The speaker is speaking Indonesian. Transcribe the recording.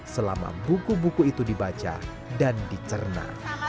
selama buku buku itu dibaca dan dicerna